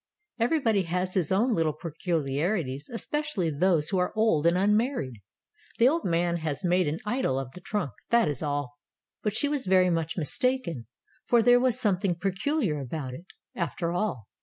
Everybody has his own little peculiarities, especially those who are old and unmarried. The old man has made an idol of the trunk, that is all.'" But she was very much mistaken, for there was something peculiar about it, after all.